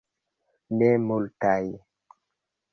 Ne multaj.